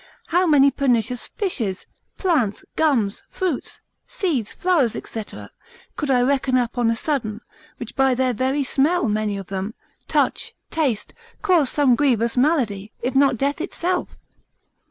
How many pernicious fishes, plants, gums, fruits, seeds, flowers, &c. could I reckon up on a sudden, which by their very smell many of them, touch, taste, cause some grievous malady, if not death itself?